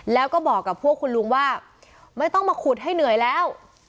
แล้วก็บอกกับพวกคุณลุงว่าไม่ต้องมาขุดให้เหนื่อยแล้ว